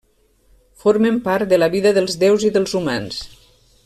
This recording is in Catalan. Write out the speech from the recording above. Formen part de la vida dels déus i dels humans.